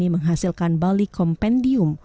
menghasilkan balik kompendium